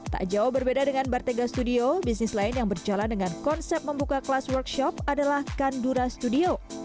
tak jauh berbeda dengan bartega studio bisnis lain yang berjalan dengan konsep membuka kelas workshop adalah kandura studio